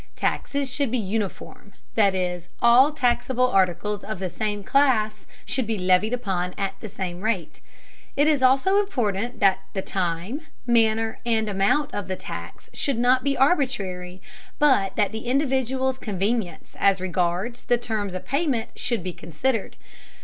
Taxes should be uniform, that is, all taxable articles of the same class should be levied upon at the same rate. It is also important that the time, manner, and amount of the tax should not be arbitrary, but that the individual's convenience as regards the terms of payment should be considered.